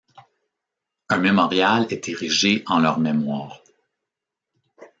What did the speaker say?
Un mémorial est érigé en leur mémoire.